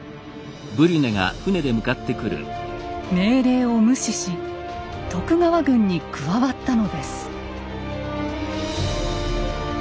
命令を無視し徳川軍に加わったのです。